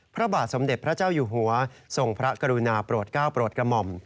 พระบาทสมเด็จพระเจ้าอยู่หัวทรงพระกรุณาโปรดก้าวโปรดกระหม่อม